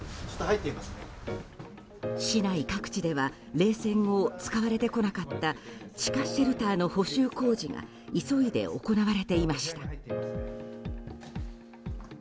市内各地では冷戦後、使われてこなかった地下シェルターの補修工事が急いで行われていました。